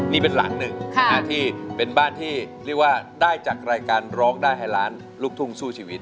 นี่เป็นหลังหนึ่งที่เป็นบ้านที่เรียกว่าได้จากรายการร้องได้ให้ล้านลูกทุ่งสู้ชีวิต